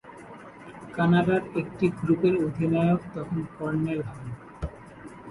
কানাডার একটি গ্রুপের অধিনায়ক তখন কর্নেল হন।